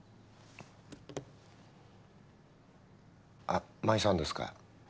あっ真衣さんですか？